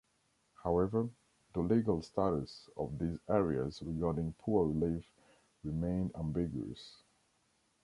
However, the legal status of these areas regarding poor relief remained ambiguous.